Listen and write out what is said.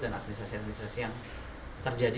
dan administrasi administrasi yang terjadi